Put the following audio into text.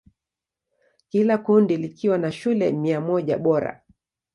Kila kundi likiwa na shule mia moja bora.